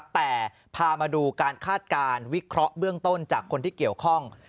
แต่พามาดูการคาดการณ์วิเคราะห์เบื้องต้นจากคนที่เกี่ยวข้อง